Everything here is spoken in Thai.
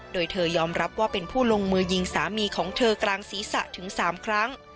โดยเธอยอมรับว่าเป็นผู้ลงมือยิงสามีของเธอกลางศีรษะถึง๓ครั้ง